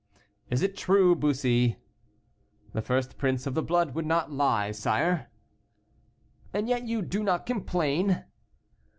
"Is it true, Bussy?" "The first prince of the blood would not lie, sire." "And yet you do not complain?"